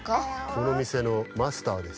このみせのマスターです。